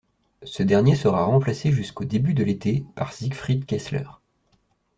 Ce dernier sera remplacé jusqu'au début de l'été par Siegfried Kessler.